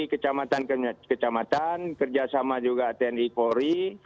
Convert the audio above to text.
kecamatan kecamatan kerjasama juga tni polri